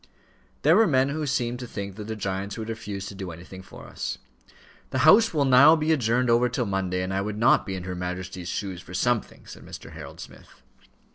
There were men who seemed to think that the giants would refuse to do anything for us. "The House will now be adjourned over till Monday, and I would not be in her Majesty's shoes for something," said Mr. Harold Smith.